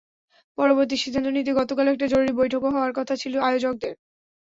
পরবর্তী সিদ্ধান্ত নিতে গতকাল একটা জরুরি বৈঠকও হওয়ার কথা ছিল আয়োজকদের।